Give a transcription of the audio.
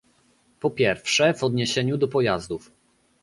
Po pierwsze, w odniesieniu do pojazdów